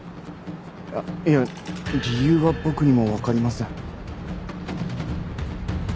あっいや理由は僕にもわかりません。